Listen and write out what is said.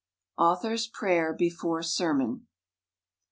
31 AUTHOR'S PRAYER BEFORE SERMON.